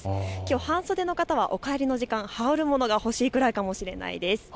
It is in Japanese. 半袖の方はお帰りの時間羽織るものが欲しいくらいかもしれないです。